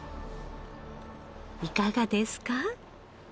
いかがですか？